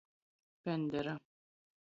Pendera.